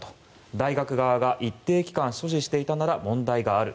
大学側が一定期間所持していたなら問題がある。